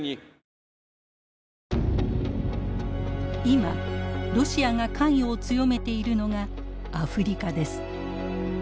今ロシアが関与を強めているのがアフリカです。